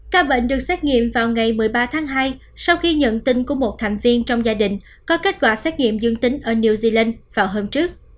ca bệnh được xét nghiệm vào ngày một mươi ba tháng hai sau khi nhận tin của một thành viên trong gia đình có kết quả xét nghiệm dương tính ở new zealand vào hôm trước